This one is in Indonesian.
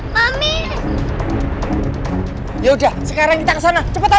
mami ya udah sekarang kita ke sana cepetan